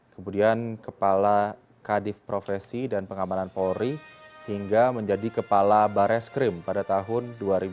kemudian kepala kadif profesi dan pengamanan polri hingga menjadi kepala bares krim pada tahun dua ribu sembilan belas